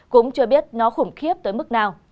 cũng chưa biết nó khủng khiếp tới mức nào